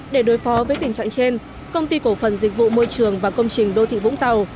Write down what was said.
để đối phó với tình trạng trên công ty cổ phần dịch vụ môi trường và công trình đô thị vũng tàu